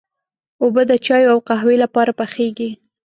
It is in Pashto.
اوبه د چايو او قهوې لپاره پخېږي.